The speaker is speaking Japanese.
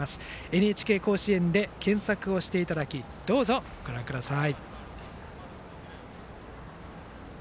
「ＮＨＫ甲子園」で検索していただきどうぞご覧ください。